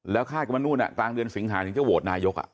แล้วค่าที่ไม่เป็นทางเดือนสิงหาหากถึงว่าจะโหวตนายก